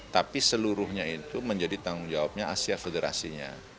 tapi seluruhnya itu menjadi tanggung jawabnya asia federasinya